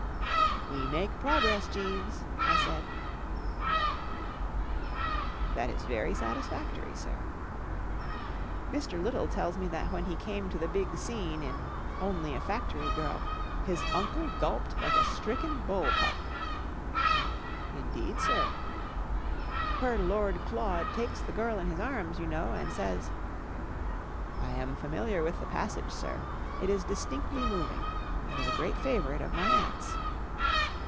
M We make progress, Jeeves/' I said. A E I That is very satisfactory* sir." f Mr. Little tells me that when he came to the big scene in ' Only a Factory Girl/ his uncle gulped like a stricken bull pup/' II Indeed* sir ?"" Where Lord Claude takes the girl in his arms, you know, and says ——" 1 am familiar with the passage* sir. It is distinctly moving. It was a great favourite of my aunt's."